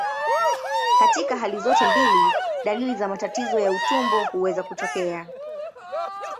Katika hali zote mbili, dalili za matatizo ya utumbo huweza kutokea.